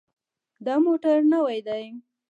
دا موټر نوی دی.